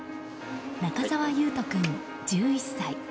中沢維斗君、１１歳。